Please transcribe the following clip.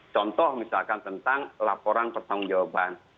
contoh misalkan tentang laporan pertanggung jawaban